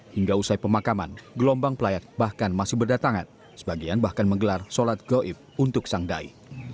hingga usai pemakaman gelombang pelayat bahkan masih berdatangan sebagian bahkan menggelar sholat goib untuk sang dai